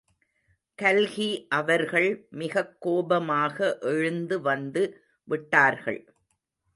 கல்கி அவர்கள் மிகக் கோபமாக எழுந்து வந்து விட்டார்கள்.